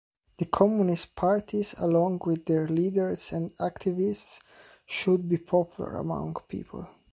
The Communist parties along with their leaders and activists should be popular among people.